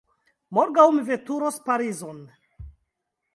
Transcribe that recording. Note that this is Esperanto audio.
Morgaŭ mi veturos Parizon.